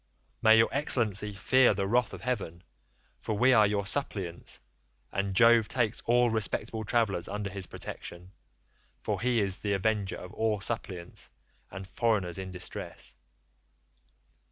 May your excellency fear the wrath of heaven, for we are your suppliants, and Jove takes all respectable travellers under his protection, for he is the avenger of all suppliants and foreigners in distress.